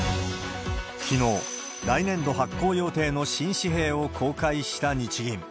きのう、来年度発行予定の新紙幣を公開した日銀。